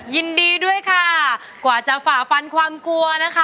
ยินดีด้วยค่ะกว่าจะฝ่าฟันความกลัวนะคะ